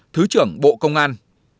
thứ trưởng bộ công an